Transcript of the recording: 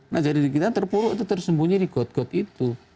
nah jati diri kita terpuluk tersembunyi di got got itu